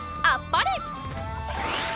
あっぱれ！